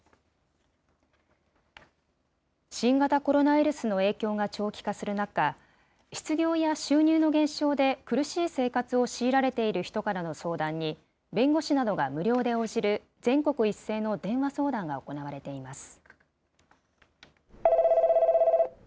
新型コロナウイルスの影響が長期化する中、失業や収入の減少で苦しい生活を強いられている人からの相談に、弁護士などが無料で応じる、全国一斉の電話相談が行われています。